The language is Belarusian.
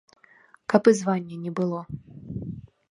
Каб і звання не было.